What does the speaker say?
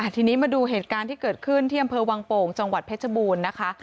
ทีนี้มาดูเหตุการณ์ที่เกิดขึ้นที่อำเภอวังโป่งจังหวัดเพชรบูรณ์นะคะ